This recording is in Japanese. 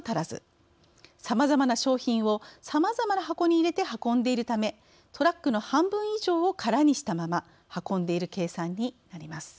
さまざまな商品をさまざまな箱に入れて運んでいるためトラックの半分以上を空にしたまま運んでいる計算になります。